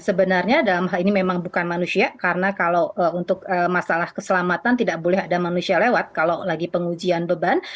sebenarnya dalam hal ini memang bukan manusia karena kalau untuk masalah keselamatan tidak boleh ada manusia lewat kalau lagi pengujian beban